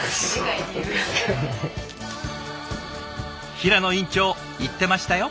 平野院長言ってましたよ。